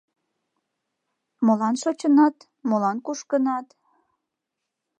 Молан шочынат, молан кушкынат?